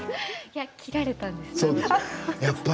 切られたんです。